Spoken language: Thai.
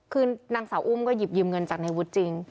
คือนางสาวอุ้มก็หยิบยืมเงินจากในวุฒิจริง